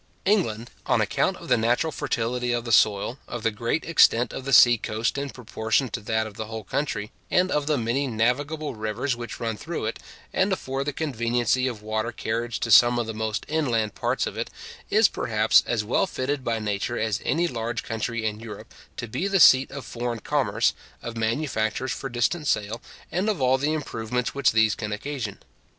England, on account of the natural fertility of the soil, of the great extent of the sea coast in proportion to that of the whole country, and of the many navigable rivers which run through it, and afford the conveniency of water carriage to some of the most inland parts of it, is perhaps as well fitted by nature as any large country in Europe to be the seat of foreign commerce, of manufactures for distant sale, and of all the improvements which these can occasion.